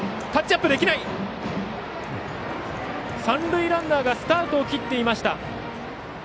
三塁ランナーがスタートを切っていました。